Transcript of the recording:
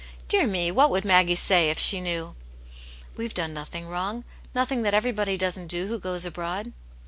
Dear me, what would Maggie say, if she knew ?'*" We've done nothing wrong. Nothing that every body doesn't do who goes abroad."